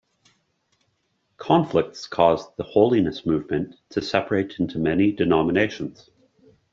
Conflicts caused the holiness movement to separate into many denominations.